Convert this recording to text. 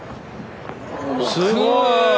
すごい！